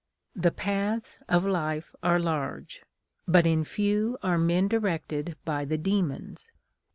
The paths of life ai'e large, but in few are men directed by the Demons.